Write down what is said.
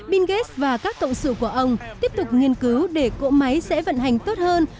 bill gas và các cộng sự của ông tiếp tục nghiên cứu để cỗ máy sẽ vận hành tốt hơn